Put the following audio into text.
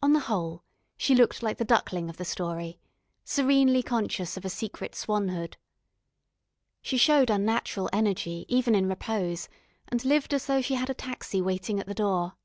On the whole, she looked like the duckling of the story, serenely conscious of a secret swanhood. She showed unnatural energy even in repose, and lived as though she had a taxi waiting at the door.